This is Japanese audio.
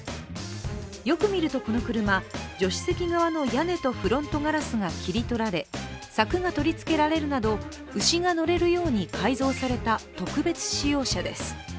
よく見るとこの車、助手席側の屋根とフロントガラスが切り取られ柵が取り付けられるなど、牛が乗れるように改造された特別仕様車です。